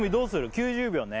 ９０秒ね